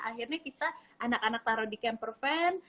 akhirnya kita anak anak taruh di campervan